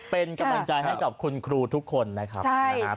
เป็นกำลังใจให้กับคุณครูทุกคนนะครับ